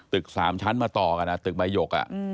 ๓ชั้นมาต่อกันตึกใบหยก